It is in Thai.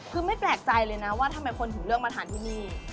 คือไม่แปลกใจเลยนะว่าทำไมคนถึงเลือกมาทานที่นี่